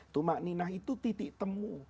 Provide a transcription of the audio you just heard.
tumak ninah itu titik temu